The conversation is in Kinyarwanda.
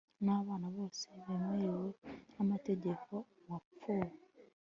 n abana bose bemewe n amategeko uwapfuye